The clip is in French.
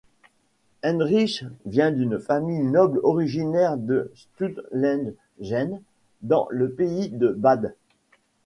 Heinrich vient d'une famille noble originaire de Stühlingen, dans le pays de Bade.